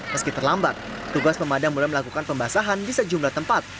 meski terlambat tugas pemadam mulai melakukan pembasahan di sejumlah tempat